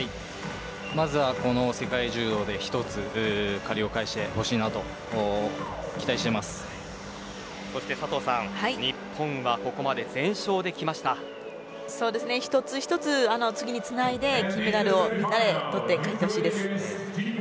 まずはこの世界柔道で１つ借りを返してほしいとそして佐藤さん一つ一つ次につないで金メダルを取って帰ってほしいです。